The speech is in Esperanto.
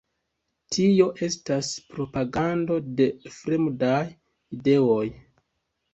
Tio estas propagando de fremdaj ideoj!